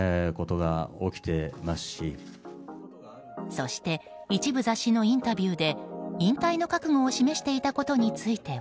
そして一部雑誌のインタビューで引退の覚悟を示していたことについては。